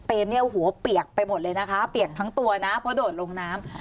เนี่ยหัวเปียกไปหมดเลยนะคะเปียกทั้งตัวนะเพราะโดดลงน้ำ